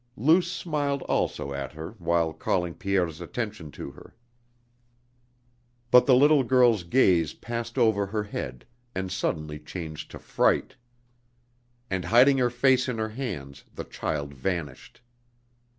Luce smiled also at her while calling Pierre's attention to her. But the little girl's gaze passed over her head and suddenly changed to fright. And hiding her face in her hands the child vanished.